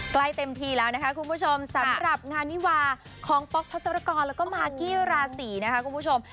ใกล้เต็มทีแล้วนะคะคุณผู้ชมสำหรับงานวิวาของป๊อกพัศรกรแล้วก็มากกี้ราศีนะคะคุณผู้ชม